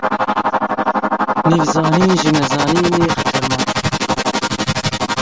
Nîvzanîn, ji nezanînê xeternaktir e.